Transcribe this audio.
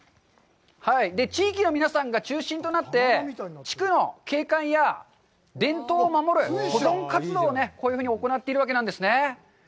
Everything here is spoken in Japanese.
地域の皆さんが中心となって地区の景観や伝統を守る保存活動をこういうふうに行っているわけなんですね。